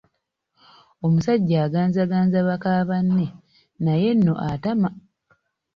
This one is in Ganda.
Omusajja aganzaganza baka banne naye nno atama.